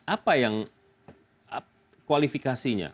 apa yang kualifikasinya